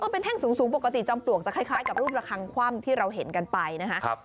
เป็นแท่งสูงปกติจอมปลวกจะคล้ายกับรูประคังคว่ำที่เราเห็นกันไปนะคะ